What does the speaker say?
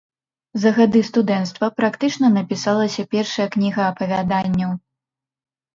За гады студэнцтва практычна напісалася першая кніга апавяданняў.